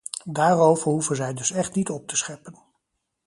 Daarover hoeven zij dus echt niet op te scheppen.